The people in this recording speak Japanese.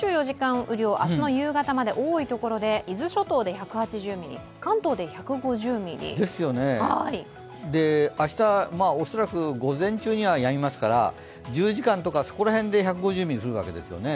雨量、明日の夕方まで多いところで伊豆諸島で１８０ミリ、明日、恐らく午前中にはやみますから１０時間とかそこら辺で１５０ミリ降るわけですよね。